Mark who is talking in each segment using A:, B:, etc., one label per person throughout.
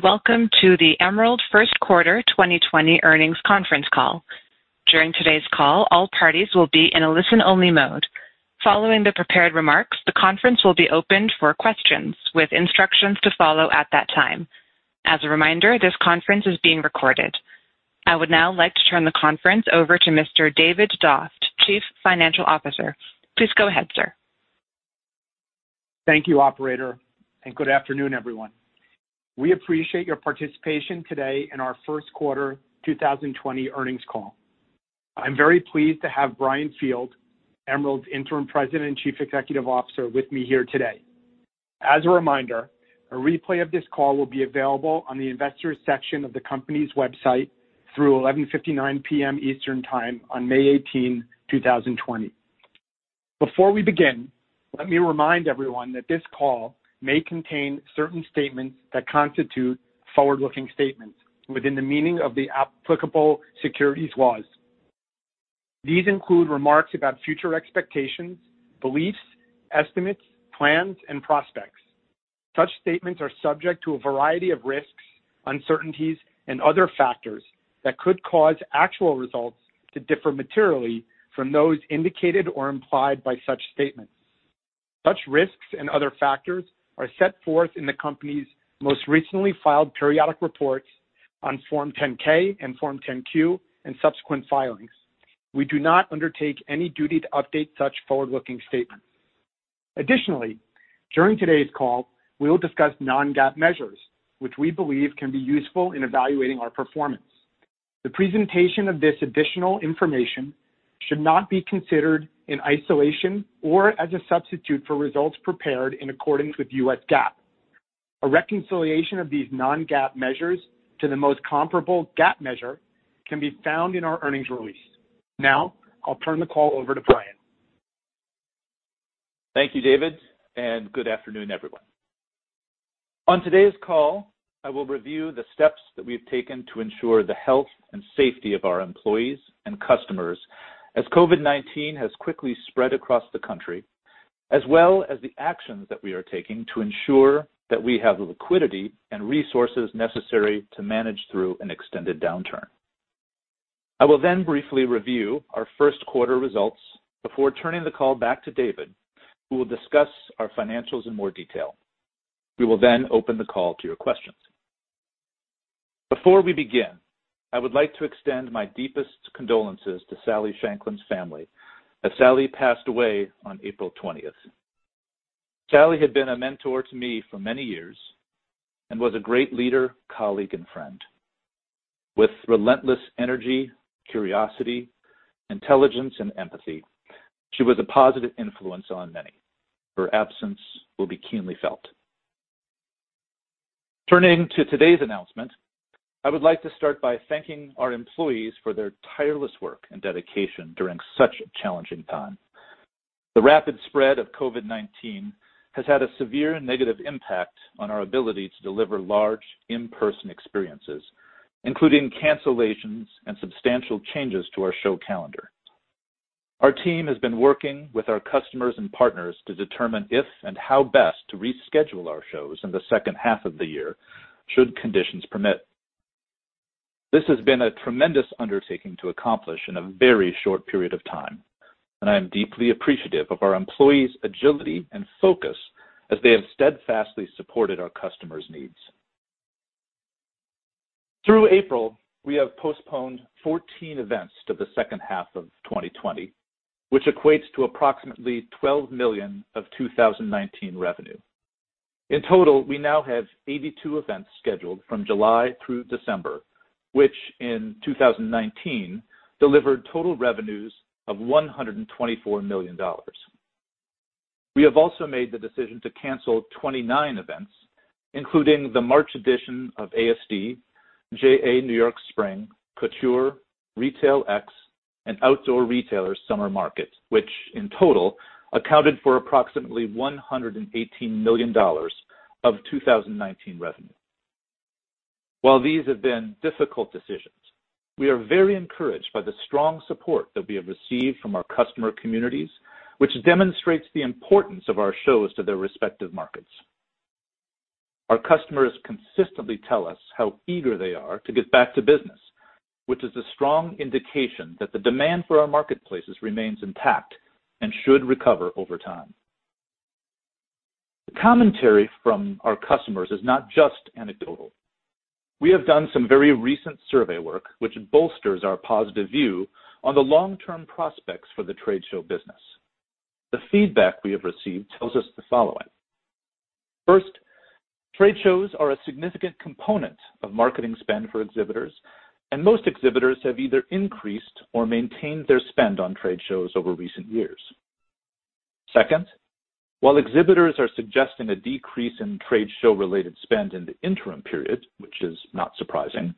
A: Welcome to the Emerald First Quarter 2020 Earnings Conference Call. During today's call, all parties will be in a listen-only mode. Following the prepared remarks, the conference will be opened for questions, with instructions to follow at that time. As a reminder, this conference is being recorded. I would now like to turn the conference over to Mr. David Doft, Chief Financial Officer. Please go ahead, sir.
B: Thank you, operator, and good afternoon, everyone. We appreciate your participation today in our first quarter 2020 earnings call. I'm very pleased to have Brian Field, Emerald's Interim President and Chief Executive Officer, with me here today. As a reminder, a replay of this call will be available on the Investors section of the company's website through 11:59 P.M. Eastern Time on May 18, 2020. Before we begin, let me remind everyone that this call may contain certain statements that constitute forward-looking statements within the meaning of the applicable securities laws. These include remarks about future expectations, beliefs, estimates, plans, and prospects. Such statements are subject to a variety of risks, uncertainties, and other factors that could cause actual results to differ materially from those indicated or implied by such statements. Such risks and other factors are set forth in the company's most recently filed periodic reports on Form 10-K and Form 10-Q and subsequent filings. We do not undertake any duty to update such forward-looking statements. Additionally, during today's call, we will discuss non-GAAP measures, which we believe can be useful in evaluating our performance. The presentation of this additional information should not be considered in isolation or as a substitute for results prepared in accordance with US GAAP. A reconciliation of these non-GAAP measures to the most comparable GAAP measure can be found in our earnings release. Now, I'll turn the call over to Brian.
C: Thank you, David, and good afternoon, everyone. On today's call, I will review the steps that we've taken to ensure the health and safety of our employees and customers as COVID-19 has quickly spread across the country, as well as the actions that we are taking to ensure that we have the liquidity and resources necessary to manage through an extended downturn. I will then briefly review our first quarter results before turning the call back to David, who will discuss our financials in more detail. We will then open the call to your questions. Before we begin, I would like to extend my deepest condolences to Sally Shankland's family, as Sally passed away on April 20th. Sally had been a mentor to me for many years and was a great leader, colleague, and friend. With relentless energy, curiosity, intelligence, and empathy, she was a positive influence on many. Her absence will be keenly felt. Turning to today's announcement, I would like to start by thanking our employees for their tireless work and dedication during such a challenging time. The rapid spread of COVID-19 has had a severe negative impact on our ability to deliver large in-person experiences, including cancellations and substantial changes to our show calendar. Our team has been working with our customers and partners to determine if and how best to reschedule our shows in the second half of the year should conditions permit. This has been a tremendous undertaking to accomplish in a very short period of time, and I am deeply appreciative of our employees' agility and focus as they have steadfastly supported our customers' needs. Through April, we have postponed 14 events to the second half of 2020, which equates to approximately $12 million of 2019 revenue. In total, we now have 82 events scheduled from July through December, which in 2019 delivered total revenues of $124 million. We have also made the decision to cancel 29 events, including the March edition of ASD, JA New York Spring, Couture, RetailX, and Outdoor Retailer Summer Market, which in total accounted for approximately $118 million of 2019 revenue. While these have been difficult decisions, we are very encouraged by the strong support that we have received from our customer communities, which demonstrates the importance of our shows to their respective markets. Our customers consistently tell us how eager they are to get back to business, which is a strong indication that the demand for our marketplaces remains intact and should recover over time. The commentary from our customers is not just anecdotal. We have done some very recent survey work which bolsters our positive view on the long-term prospects for the trade show business. The feedback we have received tells us the following. First, trade shows are a significant component of marketing spend for exhibitors, and most exhibitors have either increased or maintained their spend on trade shows over recent years. Second, while exhibitors are suggesting a decrease in trade show-related spend in the interim period, which is not surprising,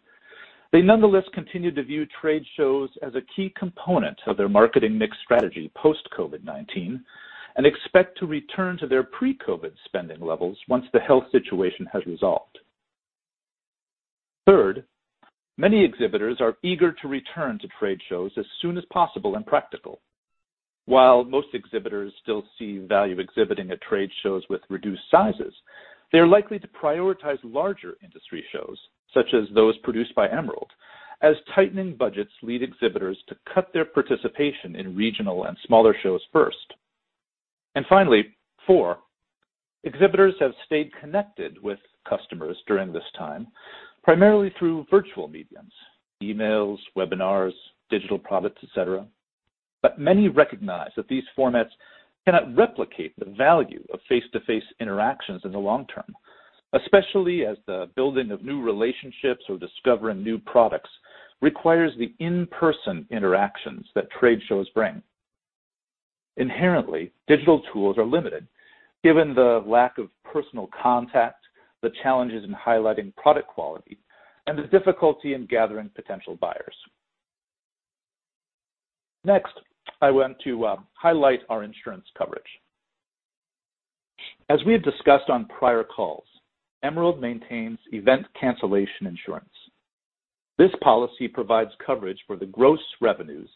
C: they nonetheless continue to view trade shows as a key component of their marketing mix strategy post-COVID-19 and expect to return to their pre-COVID spending levels once the health situation has resolved. Third, many exhibitors are eager to return to trade shows as soon as possible and practical. While most exhibitors still see value exhibiting at trade shows with reduced sizes, they are likely to prioritize larger industry shows, such as those produced by Emerald, as tightening budgets lead exhibitors to cut their participation in regional and smaller shows first. Finally, four, exhibitors have stayed connected with customers during this time, primarily through virtual mediums, emails, webinars, digital products, et cetera. Many recognize that these formats cannot replicate the value of face-to-face interactions in the long term, especially as the building of new relationships or discovering new products requires the in-person interactions that trade shows bring. Inherently, digital tools are limited, given the lack of personal contact, the challenges in highlighting product quality, and the difficulty in gathering potential buyers. Next, I want to highlight our insurance coverage. As we have discussed on prior calls, Emerald maintains event cancellation insurance. This policy provides coverage for the gross revenues,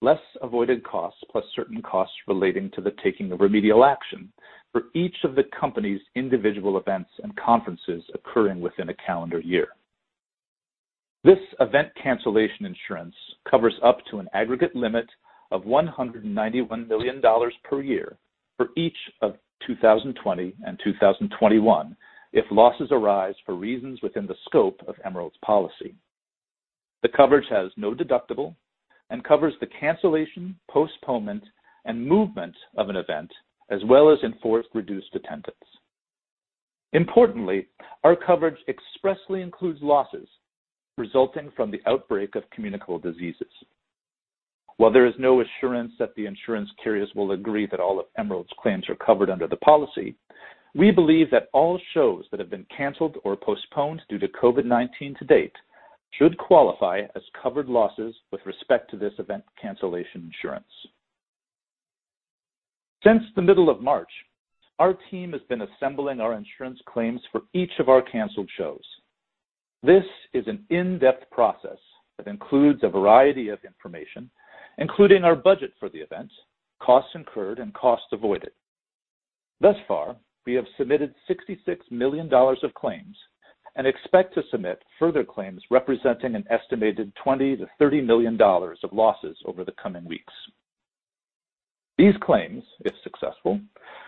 C: less avoided costs, plus certain costs relating to the taking of remedial action for each of the company's individual events and conferences occurring within a calendar year. This event cancellation insurance covers up to an aggregate limit of $191 million per year for each of 2020 and 2021 if losses arise for reasons within the scope of Emerald's policy. The coverage has no deductible and covers the cancellation, postponement, and movement of an event, as well as enforced reduced attendance. Importantly, our coverage expressly includes losses resulting from the outbreak of communicable diseases. While there is no assurance that the insurance carriers will agree that all of Emerald's claims are covered under the policy, we believe that all shows that have been canceled or postponed due to COVID-19 to date should qualify as covered losses with respect to this event cancellation insurance. Since the middle of March, our team has been assembling our insurance claims for each of our canceled shows. This is an in-depth process that includes a variety of information, including our budget for the events, costs incurred, and costs avoided. Thus far, we have submitted $66 million of claims and expect to submit further claims representing an estimated $20 million-$30 million of losses over the coming weeks. These claims, if successful,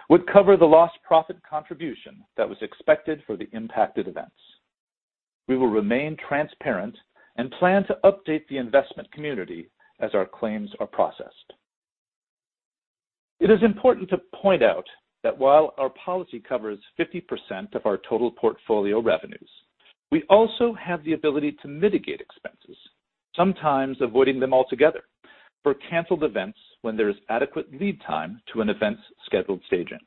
C: would cover the lost profit contribution that was expected for the impacted events. We will remain transparent and plan to update the investment community as our claims are processed. It is important to point out that while our policy covers 50% of our total portfolio revenues, we also have the ability to mitigate expenses, sometimes avoiding them altogether, for canceled events when there is adequate lead time to an event's scheduled staging.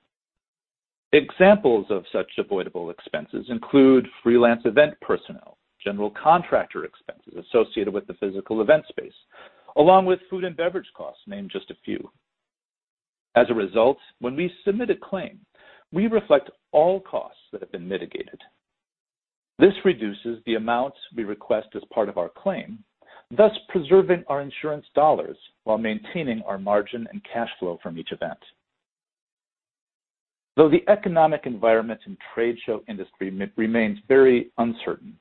C: Examples of such avoidable expenses include freelance event personnel, general contractor expenses associated with the physical event space, along with food and beverage costs, to name just a few. As a result, when we submit a claim, we reflect all costs that have been mitigated. This reduces the amounts we request as part of our claim, thus preserving our insurance dollars while maintaining our margin and cash flow from each event. Though the economic environment in trade show industry remains very uncertain,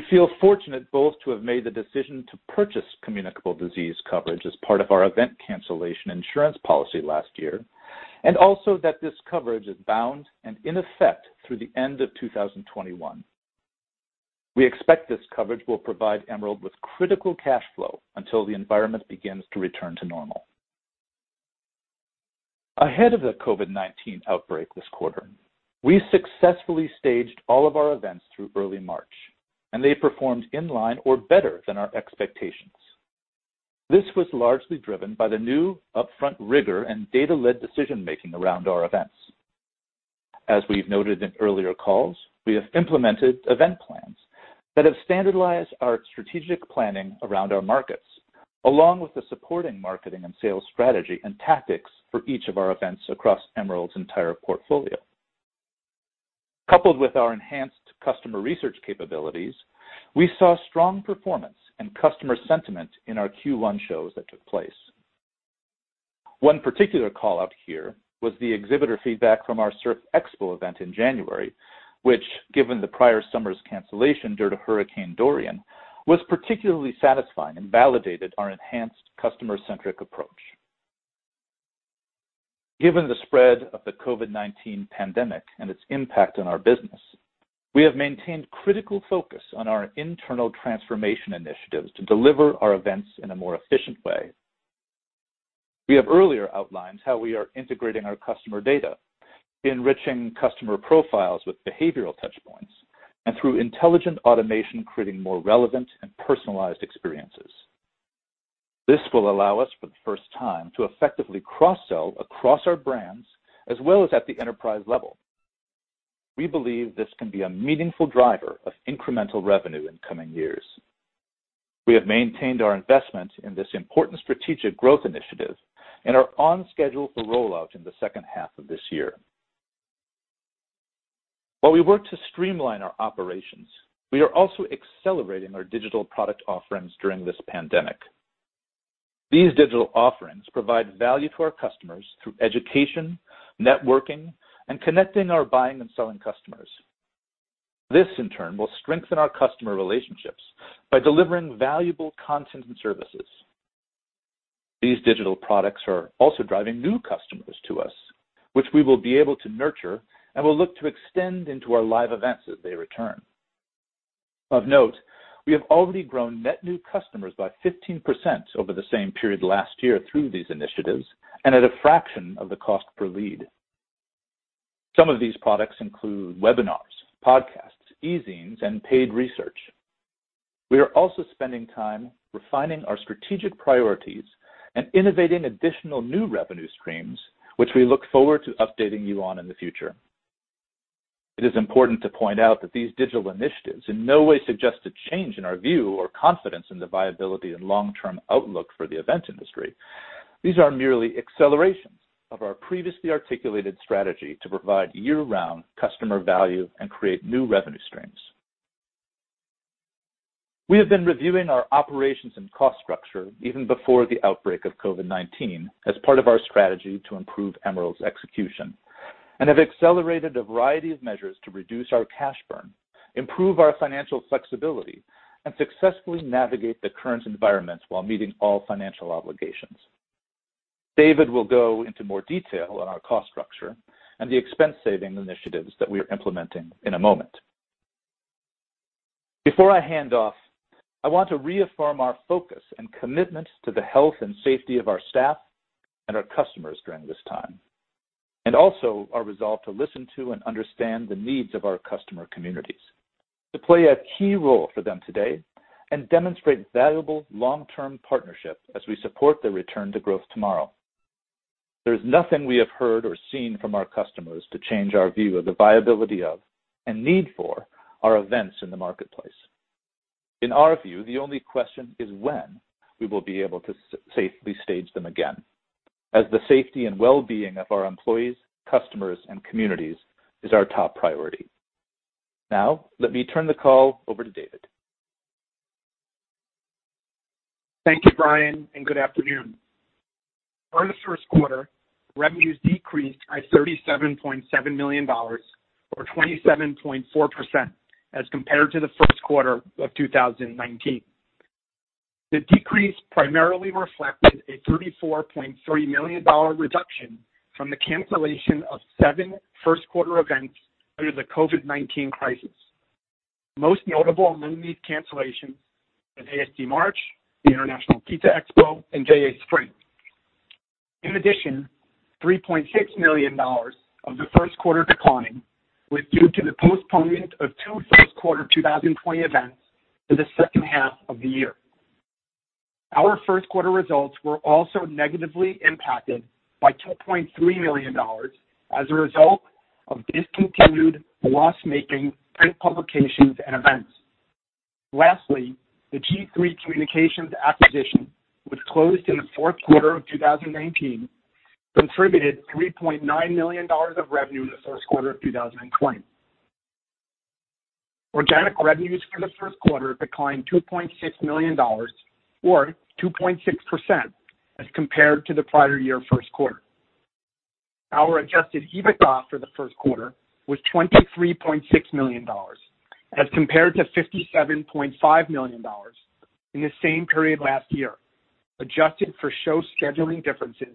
C: we feel fortunate both to have made the decision to purchase communicable disease coverage as part of our event cancellation insurance policy last year, and also that this coverage is bound and in effect through the end of 2021. We expect this coverage will provide Emerald with critical cash flow until the environment begins to return to normal. Ahead of the COVID-19 outbreak this quarter, we successfully staged all of our events through early March, and they performed in line or better than our expectations. This was largely driven by the new upfront rigor and data-led decision-making around our events. As we've noted in earlier calls, we have implemented event plans that have standardized our strategic planning around our markets, along with the supporting marketing and sales strategy and tactics for each of our events across Emerald's entire portfolio. Coupled with our enhanced customer research capabilities, we saw strong performance and customer sentiment in our Q1 shows that took place. One particular call-out here was the exhibitor feedback from our Surf Expo event in January, which, given the prior summer's cancellation due to Hurricane Dorian, was particularly satisfying and validated our enhanced customer-centric approach. Given the spread of the COVID-19 pandemic and its impact on our business, we have maintained critical focus on our internal transformation initiatives to deliver our events in a more efficient way. We have earlier outlined how we are integrating our customer data, enriching customer profiles with behavioral touch points, and through intelligent automation, creating more relevant and personalized experiences. This will allow us for the first time to effectively cross-sell across our brands as well as at the enterprise level. We believe this can be a meaningful driver of incremental revenue in coming years. We have maintained our investment in this important strategic growth initiative and are on schedule for rollout in the second half of this year. While we work to streamline our operations, we are also accelerating our digital product offerings during this pandemic. These digital offerings provide value to our customers through education, networking, and connecting our buying and selling customers. This, in turn, will strengthen our customer relationships by delivering valuable content and services. These digital products are also driving new customers to us, which we will be able to nurture and will look to extend into our live events as they return. Of note, we have already grown net new customers by 15% over the same period last year through these initiatives and at a fraction of the cost per lead. Some of these products include webinars, podcasts, e-zines, and paid research. We are also spending time refining our strategic priorities and innovating additional new revenue streams, which we look forward to updating you on in the future. It is important to point out that these digital initiatives in no way suggest a change in our view or confidence in the viability and long-term outlook for the event industry. These are merely accelerations of our previously articulated strategy to provide year-round customer value and create new revenue streams. We have been reviewing our operations and cost structure even before the outbreak of COVID-19 as part of our strategy to improve Emerald's execution and have accelerated a variety of measures to reduce our cash burn, improve our financial flexibility, and successfully navigate the current environment while meeting all financial obligations. David will go into more detail on our cost structure and the expense saving initiatives that we are implementing in a moment. Before I hand off, I want to reaffirm our focus and commitment to the health and safety of our staff and our customers during this time, and also our resolve to listen to and understand the needs of our customer communities, to play a key role for them today, and demonstrate valuable long-term partnership as we support their return to growth tomorrow. There's nothing we have heard or seen from our customers to change our view of the viability of and need for our events in the marketplace. In our view, the only question is when we will be able to safely stage them again, as the safety and wellbeing of our employees, customers, and communities is our top priority. Now, let me turn the call over to David.
B: Thank you, Brian, and good afternoon. For the first quarter, revenues decreased by $37.7 million, or 27.4% as compared to the first quarter of 2019. The decrease primarily reflected a $34.3 million reduction from the cancellation of seven first-quarter events under the COVID-19 crisis. Most notable among these cancellations was ASD March, the International Pizza Expo, and JA Spring. In addition, $3.6 million of the first quarter decline was due to the postponement of two first quarter 2020 events to the second half of the year. Our first quarter results were also negatively impacted by $2.3 million as a result of discontinued loss-making print publications and events. Lastly, the G3 Communications acquisition, which closed in the fourth quarter of 2019, contributed $3.9 million of revenue in the first quarter of 2020. Organic revenues for the first quarter declined $2.6 million, or 2.6% as compared to the prior year first quarter. Our adjusted EBITDA for the first quarter was $23.6 million as compared to $57.5 million in the same period last year, adjusted for show scheduling differences,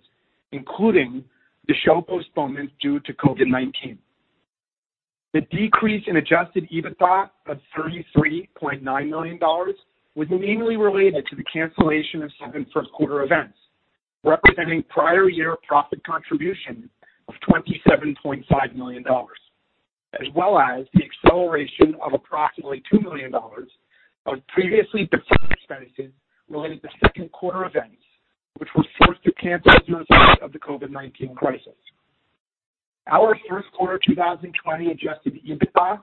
B: including the show postponements due to COVID-19. The decrease in adjusted EBITDA of $33.9 million was mainly related to the cancellation of seven first-quarter events, representing prior year profit contribution of $27.5 million, as well as the acceleration of approximately $2 million of previously deferred expenses related to second quarter events, which were forced to cancel as a result of the COVID-19 crisis. Our first quarter 2020 adjusted EBITDA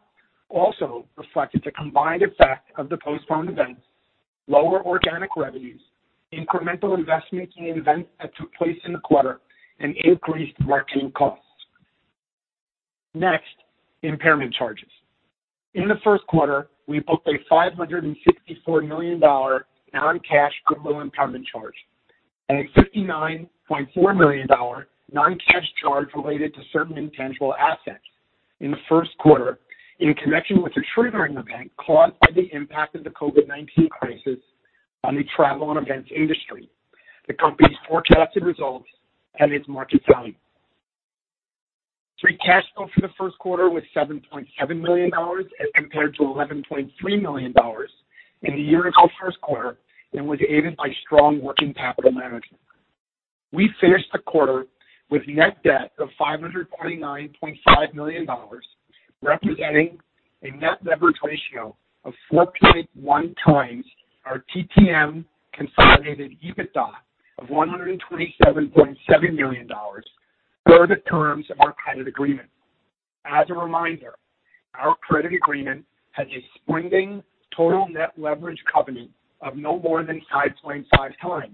B: also reflected the combined effect of the postponed events, lower organic revenues, incremental investment in events that took place in the quarter, and increased marketing costs. Next, impairment charges. In the first quarter, we booked a $564 million non-cash goodwill impairment charge and a $59.4 million non-cash charge related to certain intangible assets in the first quarter in connection with the triggering event caused by the impact of the COVID-19 crisis on the travel and events industry, the company's forecasted results, and its market value. Free cash flow for the first quarter was $7.7 million as compared to $11.3 million in the year-ago first quarter and was aided by strong working capital management. We finished the quarter with net debt of $529.5 million, representing a net leverage ratio of 4.1x our TTM consolidated EBITDA of $127.7 million per the terms of our credit agreement. As a reminder, our credit agreement has a springing total net leverage covenant of no more than 5.5x,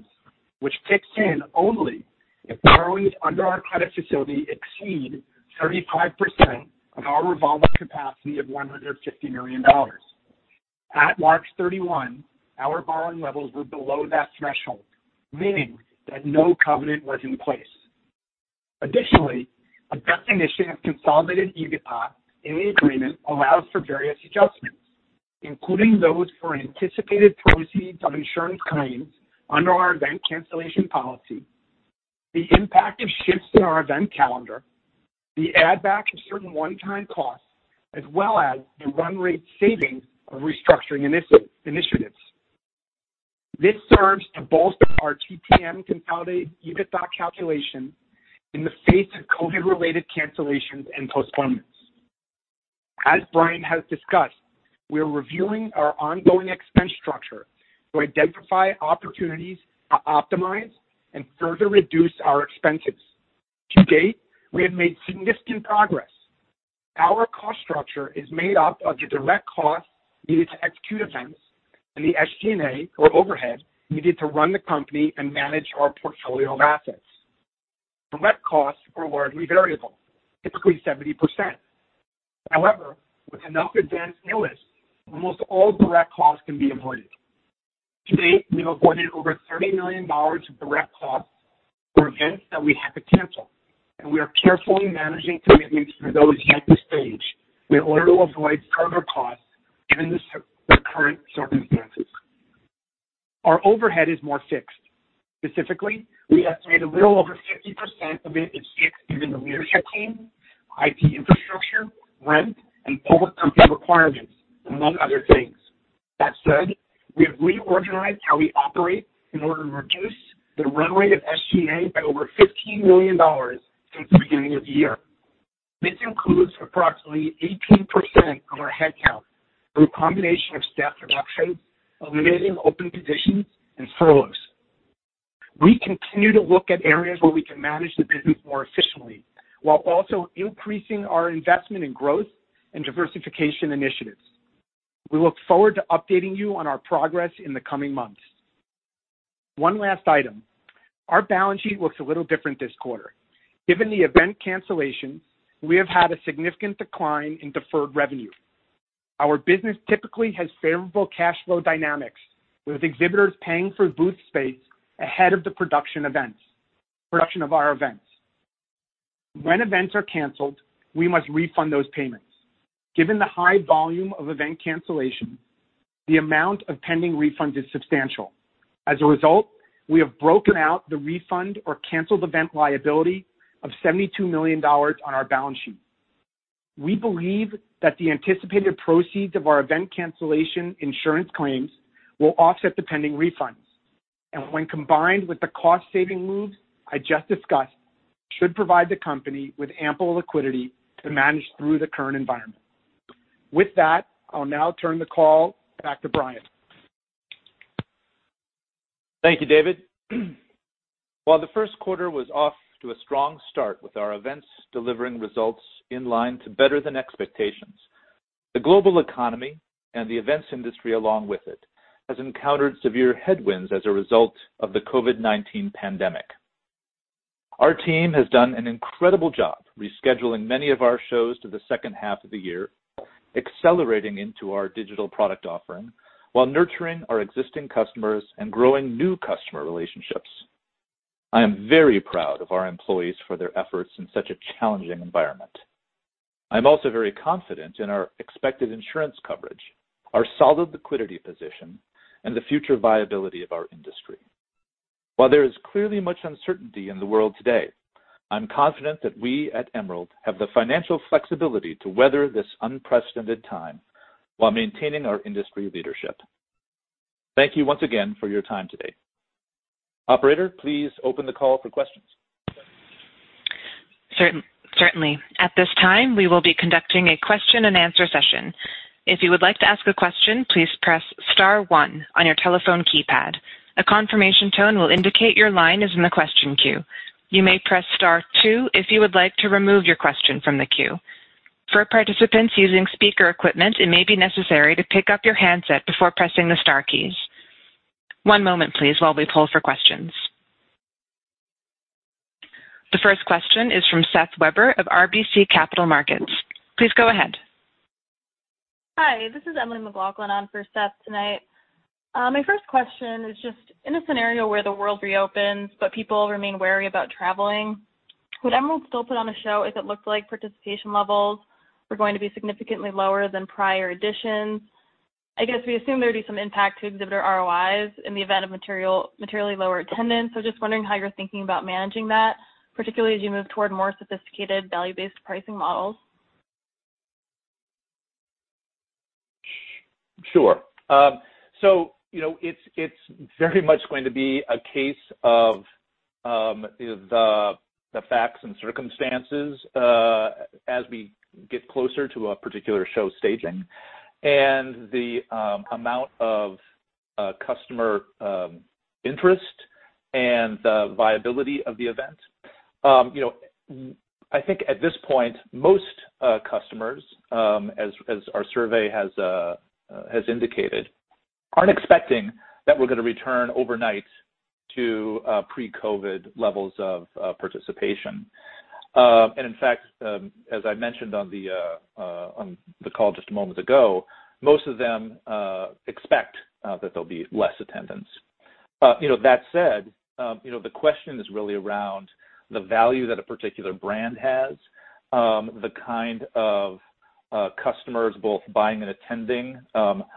B: which kicks in only if borrowings under our credit facility exceed 35% of our revolving capacity of $150 million. At March 31, our borrowing levels were below that threshold, meaning that no covenant was in place. Additionally, a definition of consolidated EBITDA in the agreement allows for various adjustments, including those for anticipated proceeds of insurance claims under our event cancellation policy, the impact of shifts in our event calendar, the add-back of certain one-time costs, as well as the run rate savings of restructuring initiatives. This serves to bolster our TTM consolidated EBITDA calculation in the face of COVID-related cancellations and postponements. As Brian has discussed, we are reviewing our ongoing expense structure to identify opportunities to optimize and further reduce our expenses. To date, we have made significant progress. Our cost structure is made up of the direct costs needed to execute events and the SG&A, or overhead, needed to run the company and manage our portfolio of assets. Direct costs are largely variable, typically 70%. However, with enough advance notice, almost all direct costs can be avoided. To date, we've avoided over $30 million of direct costs for events that we had to cancel, and we are carefully managing commitments for those yet to stage in order to avoid further costs given the current circumstances. Our overhead is more fixed. Specifically, we estimate a little over 50% of it is fixed, given the leadership team, IT infrastructure, rent, and public company requirements, among other things. That said, we have reorganized how we operate in order to reduce the run rate of SG&A by over $15 million since the beginning of the year. This includes approximately 18% of our headcount through a combination of staff reductions, eliminating open positions, and furloughs. We continue to look at areas where we can manage the business more efficiently while also increasing our investment in growth and diversification initiatives. We look forward to updating you on our progress in the coming months. One last item. Our balance sheet looks a little different this quarter. Given the event cancellation, we have had a significant decline in deferred revenue. Our business typically has favorable cash flow dynamics, with exhibitors paying for booth space ahead of the production of our events. When events are canceled, we must refund those payments. Given the high volume of event cancellation, the amount of pending refund is substantial. As a result, we have broken out the refund or canceled event liability of $72 million on our balance sheet. We believe that the anticipated proceeds of our event cancellation insurance claims will offset the pending refunds, and when combined with the cost-saving moves I just discussed, should provide the company with ample liquidity to manage through the current environment. With that, I'll now turn the call back to Brian.
C: Thank you, David. While the first quarter was off to a strong start with our events delivering results in line to better than expectations, the global economy, and the events industry along with it, has encountered severe headwinds as a result of the COVID-19 pandemic. Our team has done an incredible job rescheduling many of our shows to the second half of the year, accelerating into our digital product offering while nurturing our existing customers and growing new customer relationships. I am very proud of our employees for their efforts in such a challenging environment. I'm also very confident in our expected insurance coverage, our solid liquidity position, and the future viability of our industry. While there is clearly much uncertainty in the world today, I'm confident that we at Emerald have the financial flexibility to weather this unprecedented time while maintaining our industry leadership. Thank you once again for your time today. Operator, please open the call for questions.
A: Certainly. At this time, we will be conducting a question and answer session. If you would like to ask a question, please press star one on your telephone keypad. A confirmation tone will indicate your line is in the question queue. You may press star two if you would like to remove your question from the queue. For participants using speaker equipment, it may be necessary to pick up your handset before pressing the star keys. One moment, please, while we pull for questions. The first question is from Seth Weber of RBC Capital Markets. Please go ahead.
D: Hi, this is Emily McLaughlin on for Seth tonight. My first question is just in a scenario where the world reopens but people remain wary about traveling, would Emerald still put on a show if it looked like participation levels were going to be significantly lower than prior editions? I guess we assume there'd be some impact to exhibitor ROIs in the event of materially lower attendance. Just wondering how you're thinking about managing that, particularly as you move toward more sophisticated value-based pricing models.
C: Sure. It's very much going to be a case of the facts and circumstances, as we get closer to a particular show staging. The amount of customer interest and the viability of the event. I think at this point, most customers, as our survey has indicated, aren't expecting that we're going to return overnight to pre-COVID levels of participation. In fact, as I mentioned on the call just moments ago, most of them expect that there'll be less attendance. That said, the question is really around the value that a particular brand has, the kind of customers both buying and attending,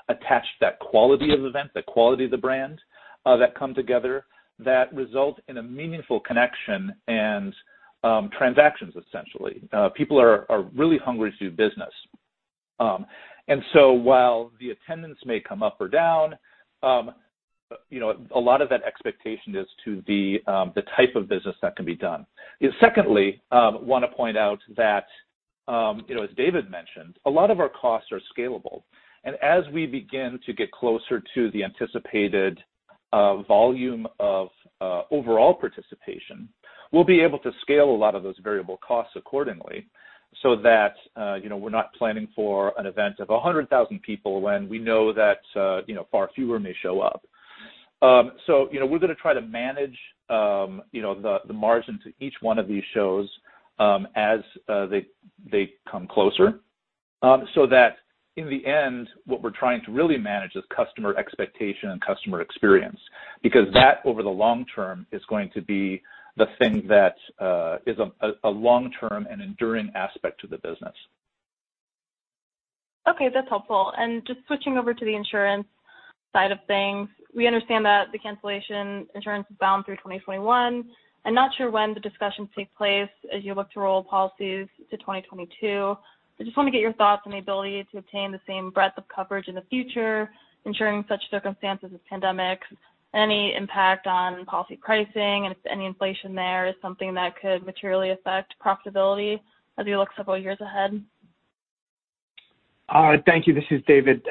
C: attach that quality of event, that quality of the brand that come together that result in a meaningful connection and transactions, essentially. People are really hungry to do business. While the attendance may come up or down, a lot of that expectation is to the type of business that can be done. Secondly, want to point out that, as David mentioned, a lot of our costs are scalable. As we begin to get closer to the anticipated volume of overall participation, we'll be able to scale a lot of those variable costs accordingly so that we're not planning for an event of 100,000 people when we know that far fewer may show up. We're going to try to manage the margin to each one of these shows as they come closer, so that in the end, what we're trying to really manage is customer expectation and customer experience. Because that, over the long term, is going to be the thing that is a long-term and enduring aspect to the business.
D: Okay, that's helpful. Just switching over to the insurance side of things, we understand that the cancellation insurance is bound through 2021, and not sure when the discussions take place as you look to roll policies to 2022. I just want to get your thoughts on the ability to obtain the same breadth of coverage in the future, ensuring such circumstances as pandemics, any impact on policy pricing, and if any inflation there is something that could materially affect profitability as we look several years ahead.
B: Thank you. This is David.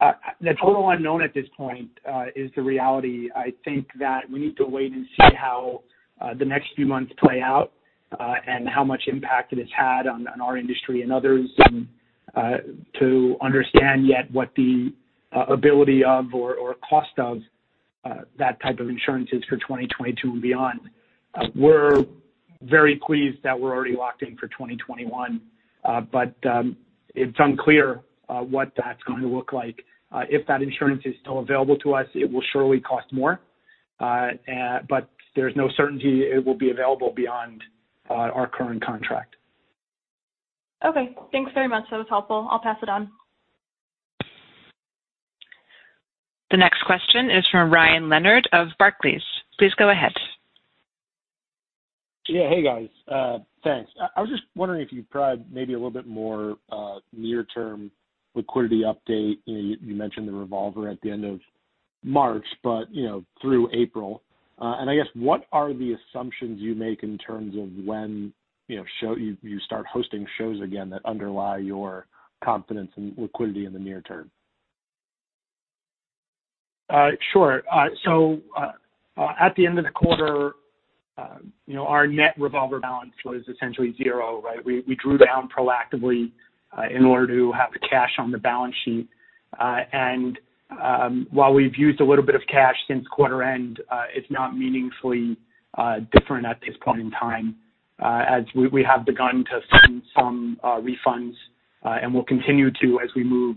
B: The total unknown at this point is the reality. I think that we need to wait and see how the next few months play out and how much impact it has had on our industry and others to understand yet what the ability of or cost of that type of insurance is for 2022 and beyond. We're very pleased that we're already locked in for 2021. It's unclear what that's going to look like. If that insurance is still available to us, it will surely cost more. There's no certainty it will be available beyond our current contract.
D: Okay, thanks very much. That was helpful. I'll pass it on.
A: The next question is from Ryan Leonard of Barclays. Please go ahead.
E: Yeah. Hey, guys. Thanks. I was just wondering if you could provide maybe a little bit more near-term liquidity update. You mentioned the revolver at the end of March, but through April. I guess, what are the assumptions you make in terms of when you start hosting shows again that underlie your confidence in liquidity in the near term?
B: Sure. At the end of the quarter, our net revolver balance was essentially zero, right? We drew down proactively in order to have the cash on the balance sheet. While we've used a little bit of cash since quarter end, it's not meaningfully different at this point in time, as we have begun to send some refunds. We'll continue to as we move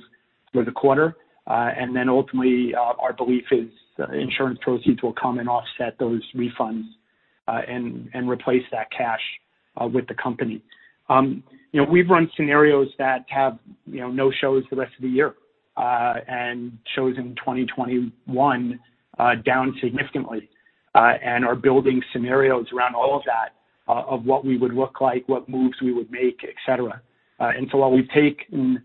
B: through the quarter. Ultimately, our belief is insurance proceeds will come and offset those refunds and replace that cash with the company. We've run scenarios that have no shows for the rest of the year, and shows in 2021 down significantly, and are building scenarios around all of that, of what we would look like, what moves we would make, et cetera. While we've taken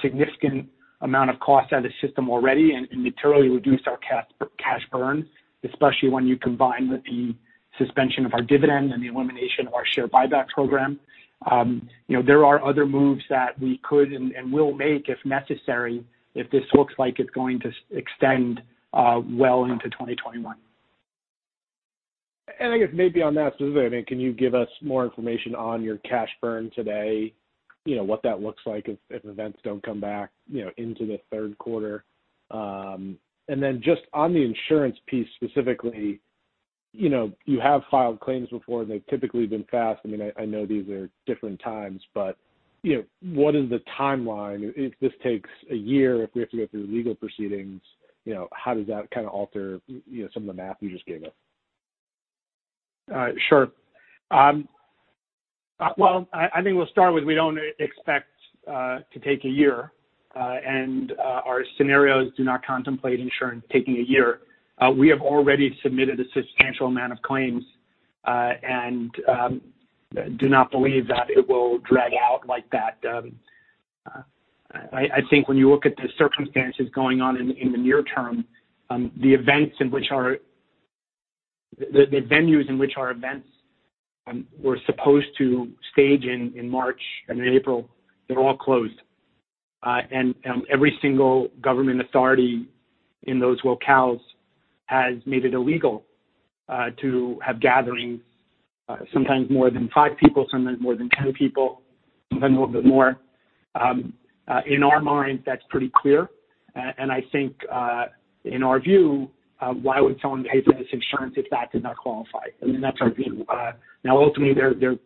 B: significant amount of cost out of the system already and materially reduced our cash burn, especially when you combine with the suspension of our dividend and the elimination of our share buyback program, there are other moves that we could and will make if necessary if this looks like it's going to extend well into 2021.
E: I guess maybe on that specific, can you give us more information on your cash burn today? What that looks like if events don't come back into the third quarter. Just on the insurance piece specifically, you have filed claims before and they've typically been fast. I know these are different times, but what is the timeline if this takes a year, if we have to go through legal proceedings, how does that kind of alter some of the math you just gave us?
B: Sure. I think we'll start with, we don't expect to take a year, and our scenarios do not contemplate insurance taking a year. We have already submitted a substantial amount of claims and do not believe that it will drag out like that. I think when you look at the circumstances going on in the near term, the venues in which our events were supposed to stage in March and in April, they're all closed. Every single government authority in those locales has made it illegal to have gatherings, sometimes more than five people, sometimes more than 10 people, sometimes a little bit more. In our minds, that's pretty clear, and I think, in our view, why would someone pay for this insurance if that did not qualify? I mean, that's our view. Ultimately, there's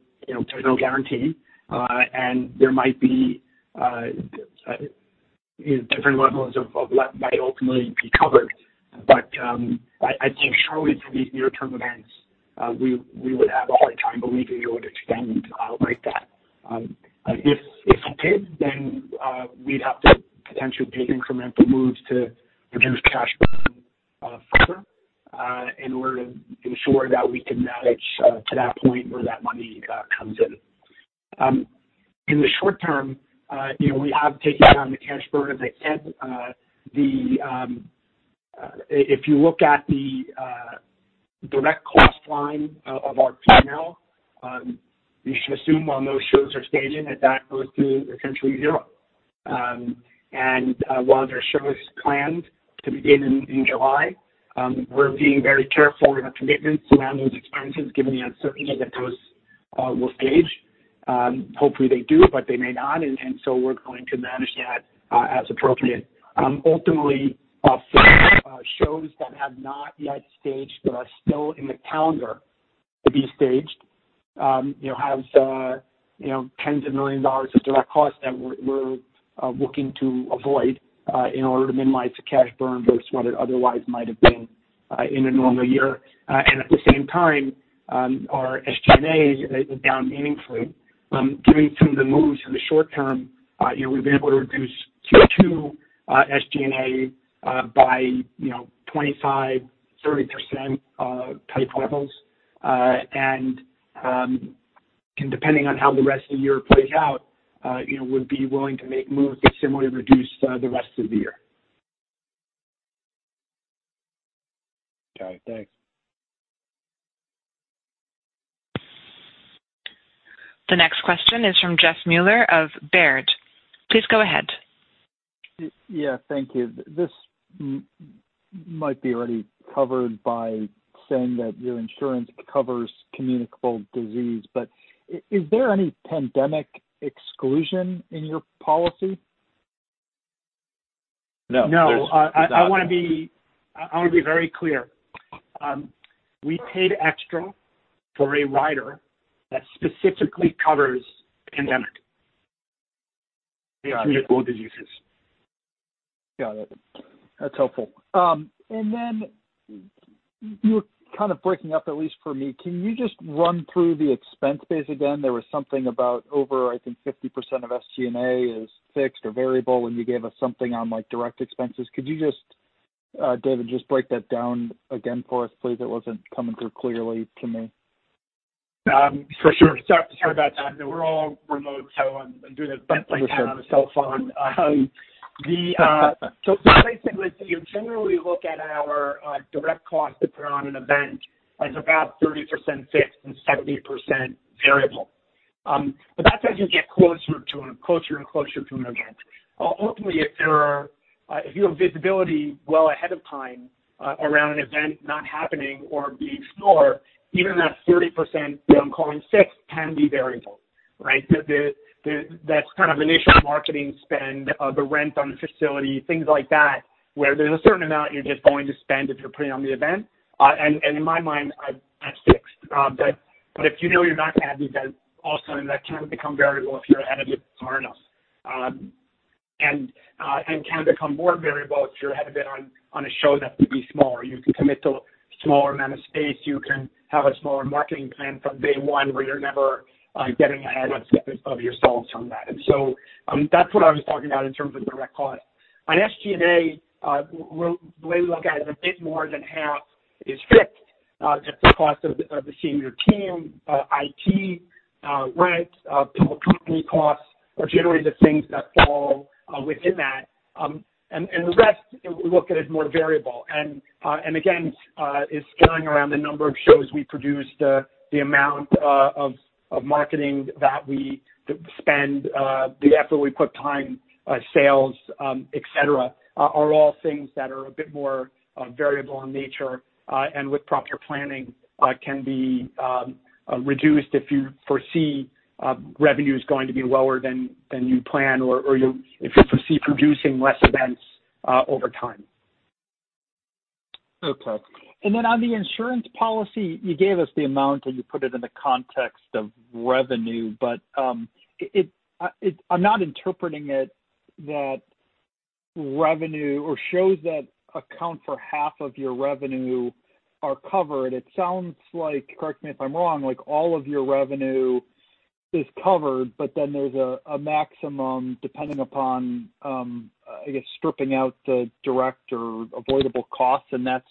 B: no guarantee, and there might be different levels of what might ultimately be covered. I think surely for these near-term events, we would have a hard time believing you would extend out like that. If you did, then we'd have to potentially take incremental moves to reduce cash burn further in order to ensure that we can manage to that point where that money comes in. In the short term, we have taken down the cash burn as I said. If you look at the direct cost line of our P&L, you should assume while those shows are staging, that goes to essentially zero. While there are shows planned to begin in July, we're being very careful in our commitments around those expenses, given the uncertainty that those will stage. Hopefully, they do, but they may not, and so we're going to manage that as appropriate. Ultimately, for shows that have not yet staged, but are still in the calendar to be staged, has tens of millions of dollars of direct costs that we're looking to avoid in order to minimize the cash burn versus what it otherwise might have been in a normal year. At the same time, our SG&A is down meaningfully. Given some of the moves in the short term, we've been able to reduce Q2 SG&A by 25%, 30% type levels. Depending on how the rest of the year plays out would be willing to make moves to similarly reduce the rest of the year.
E: Got it. Thanks.
A: The next question is from Jeff Meuler of Baird. Please go ahead.
F: Yeah. Thank you. This might be already covered by saying that your insurance covers communicable disease, but is there any pandemic exclusion in your policy?
B: No.
C: No. I want to be very clear. We paid extra for a rider that specifically covers pandemic communicable diseases.
F: Got it. That's helpful. You're kind of breaking up, at least for me. Can you just run through the expense base again? There was something about over, I think 50% of SG&A is fixed or variable, and you gave us something on direct expenses. Could you, David, just break that down again for us, please? It wasn't coming through clearly to me.
B: For sure. Sorry about that. We're all remote, so I'm doing this bent like that on a cell phone. Basically, you generally look at our direct costs to put on an event as about 30% fixed and 70% variable. That's as you get closer and closer to an event. Ultimately, if you have visibility well ahead of time around an event not happening or being smaller, even that 30%, what I'm calling fixed, can be variable, right? That's kind of initial marketing spend, the rent on the facility, things like that, where there's a certain amount you're just going to spend if you're putting on the event. In my mind, that's fixed. If you know you're not going to have the event, also that can become variable if you're ahead of it far enough. Can become more variable if you're ahead of it on a show that could be smaller. You can commit to a smaller amount of space. You can have a smaller marketing plan from day one, where you're never getting ahead of yourselves on that. That's what I was talking about in terms of direct costs. On SG&A, the way we look at it is a bit more than half is fixed. It's the cost of the senior team, IT, rent, general company costs, are generally the things that fall within that. The rest, we look at as more variable. Again, is scaling around the number of shows we produce, the amount of marketing that we spend, the effort we put, time, sales, et cetera, are all things that are a bit more variable in nature. With proper planning, can be reduced if you foresee revenue is going to be lower than you plan, or if you foresee producing less events over time.
F: Okay. On the insurance policy, you gave us the amount, and you put it in the context of revenue. I'm not interpreting it that revenue or shows that account for half of your revenue are covered. It sounds like, correct me if I'm wrong, like all of your revenue is covered, but then there's a maximum depending upon, I guess, stripping out the direct or avoidable costs, and that's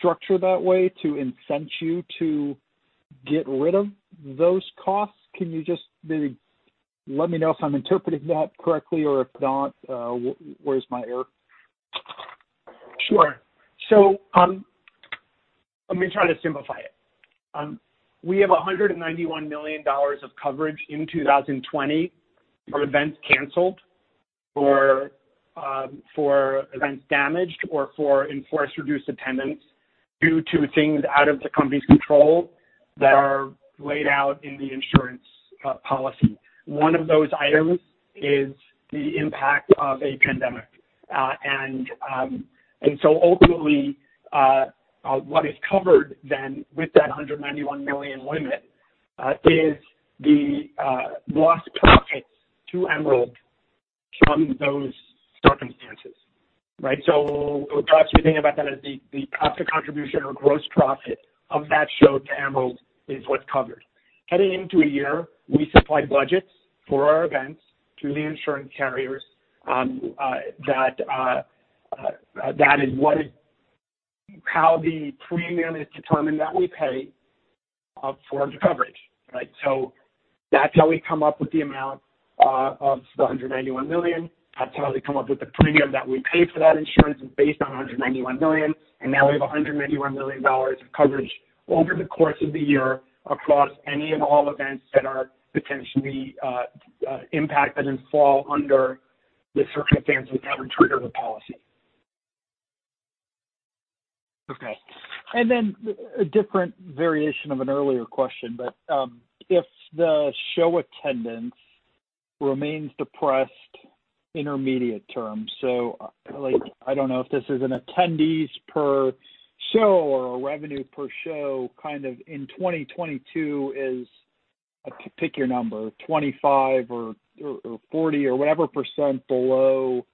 F: structured that way to incent you to get rid of those costs. Can you just maybe let me know if I'm interpreting that correctly, or if not, where's my error?
B: Sure. Let me try to simplify it. We have $191 million of coverage in 2020 for events canceled, for events damaged, or for enforced reduced attendance due to things out of the company's control that are laid out in the insurance policy. One of those items is the impact of a pandemic. Ultimately, what is covered then, with that $191 million limit, is the lost profits to Emerald from those circumstances. Right? Perhaps you think about that as the profit contribution or gross profit of that show to Emerald is what's covered. Heading into a year, we supply budgets for our events to the insurance carriers. That is how the premium is determined that we pay for the coverage. Right? That's how we come up with the amount of the $191 million. That's how they come up with the premium that we pay for that insurance is based on $191 million. Now we have $191 million of coverage over the course of the year across any and all events that are potentially impacted and fall under the circumstances that would trigger the policy.
F: Okay. Then a different variation of an earlier question, but if the show attendance remains depressed intermediate term, so like, I don't know if this is an attendees per show or a revenue per show, kind of in 2022 is, pick your number, 25% or 40% or whatever percent below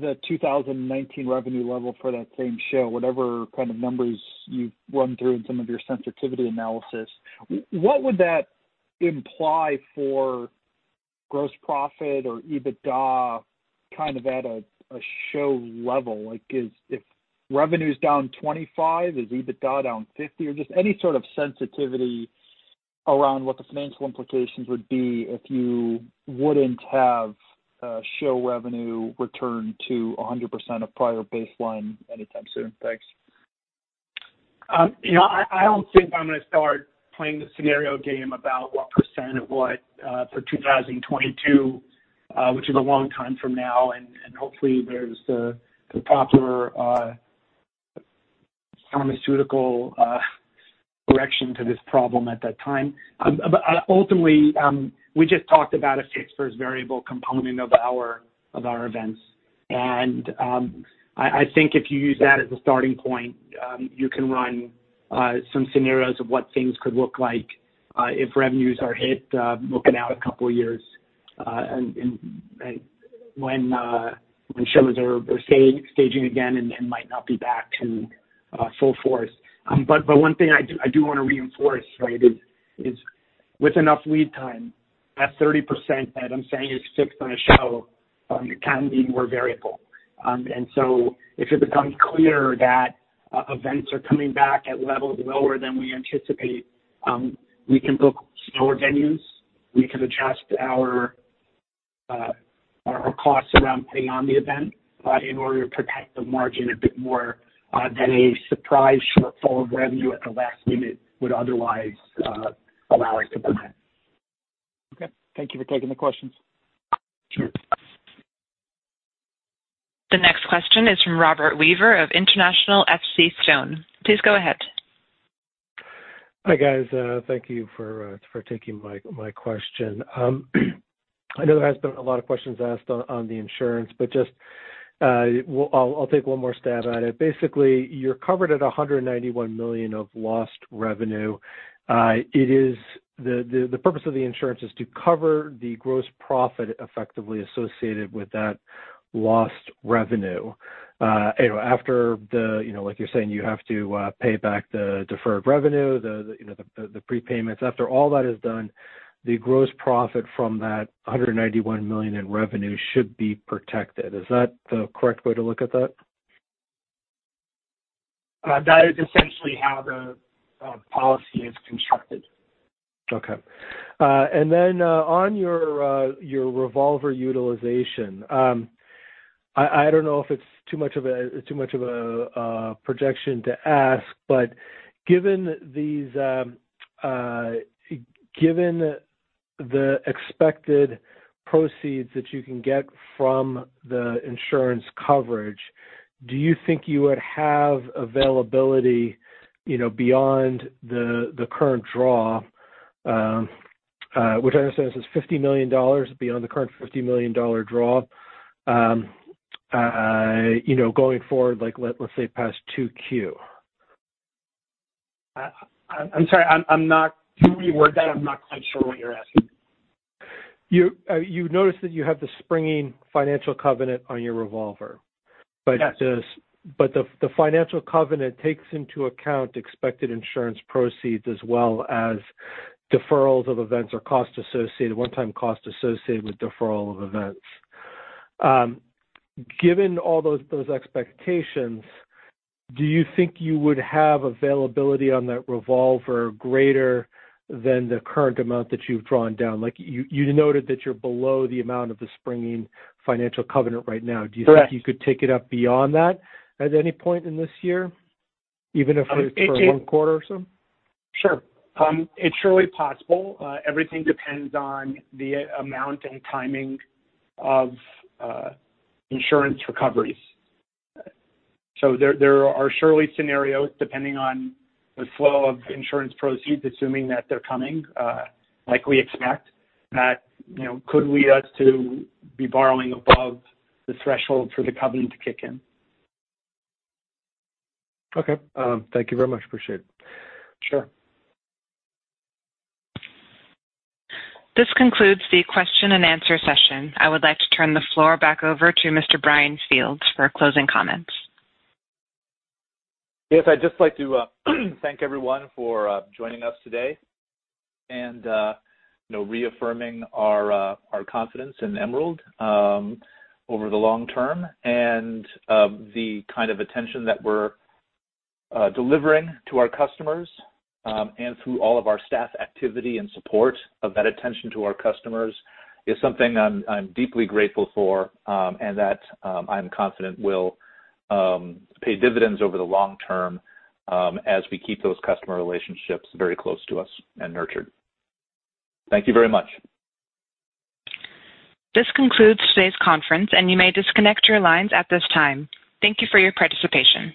F: the 2019 revenue level for that same show, whatever kind of numbers you've run through in some of your sensitivity analysis, what would that imply for gross profit or EBITDA kind of at a show level? Like if revenue is down 25%, is EBITDA down 50%? Or just any sort of sensitivity around what the financial implications would be if you wouldn't have show revenue return to 100% of prior baseline anytime soon. Thanks.
B: I don't think I'm going to start playing the scenario game about what percent of what for 2022, which is a long time from now, hopefully there's a popular pharmaceutical correction to this problem at that time. Ultimately, we just talked about a fixed versus variable component of our events. I think if you use that as a starting point, you can run some scenarios of what things could look like if revenues are hit, looking out a couple of years, when shows are staging again and might not be back to full force. One thing I do want to reinforce, right, is with enough lead time, that 30% that I'm saying is fixed on a show can be more variable. If it becomes clear that events are coming back at levels lower than we anticipate, we can book smaller venues. We can adjust our costs around putting on the event in order to protect the margin a bit more than a surprise shortfall of revenue at the last minute would otherwise allow us to plan.
F: Okay. Thank you for taking the questions.
B: Sure.
A: The next question is from Robert Weaver of International FC Stone. Please go ahead.
G: Hi, guys. Thank you for taking my question. I know there has been a lot of questions asked on the insurance, but just, I'll take one more stab at it. Basically, you're covered at $191 million of lost revenue. The purpose of the insurance is to cover the gross profit effectively associated with that lost revenue. After the, like you're saying, you have to pay back the deferred revenue, the prepayments. After all that is done, the gross profit from that $191 million in revenue should be protected. Is that the correct way to look at that?
B: That is essentially how the policy is constructed.
G: Okay. On your revolver utilization, I don't know if it's too much of a projection to ask, but given the expected proceeds that you can get from the insurance coverage, do you think you would have availability beyond the current draw, which I understand is $50 million, beyond the current $50 million draw, going forward, let's say past 2Q?
B: I'm sorry. Can you reword that? I'm not quite sure what you're asking.
G: You noticed that you have the springing financial covenant on your revolver.
B: Yes.
G: The financial covenant takes into account expected insurance proceeds as well as deferrals of events or one-time cost associated with deferral of events. Given all those expectations, do you think you would have availability on that revolver greater than the current amount that you've drawn down? You noted that you're below the amount of the springing financial covenant right now.
B: Correct.
G: Do you think you could take it up beyond that at any point in this year, even if it's for one quarter or so?
B: Sure. It's surely possible. Everything depends on the amount and timing of insurance recoveries. There are surely scenarios, depending on the flow of insurance proceeds, assuming that they're coming, like we expect, that could lead us to be borrowing above the threshold for the covenant to kick in.
G: Okay. Thank you very much. Appreciate it.
B: Sure.
A: This concludes the question and answer session. I would like to turn the floor back over to Mr. Brian Field for closing comments.
C: Yes, I'd just like to thank everyone for joining us today and reaffirming our confidence in Emerald over the long term. The kind of attention that we're delivering to our customers and through all of our staff activity and support of that attention to our customers is something I'm deeply grateful for and that I'm confident will pay dividends over the long term as we keep those customer relationships very close to us and nurtured. Thank you very much.
A: This concludes today's conference, and you may disconnect your lines at this time. Thank you for your participation.